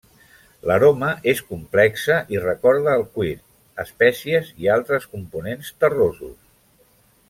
L'aroma és complexa i recorda al cuir, espècies i altres components terrosos.